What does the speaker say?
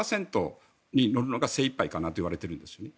３％に乗るのが精いっぱいかなといわれているんです。